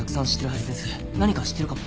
何か知ってるかも。